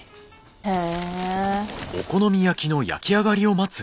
へえ。